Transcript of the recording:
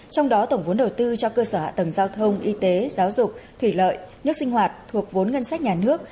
trong đó tổng vốn đầu tư cho cơ sở hạ tầng giao thông y tế giáo dục thủy lợi nước sinh hoạt thuộc vốn ngân sách nhà nước